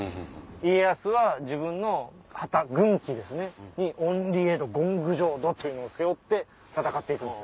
家康は自分の旗軍旗ですねに「厭離穢土欣求浄土」というのを背負って戦って行くんです。